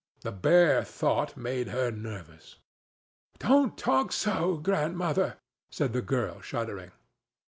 The bare thought made her nervous. "Don't talk so, grandmother," said the girl, shuddering.